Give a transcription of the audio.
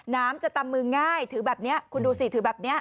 น้ำจะตำมือง่ายถือแบบนี้คุณดูสิถือแบบนี้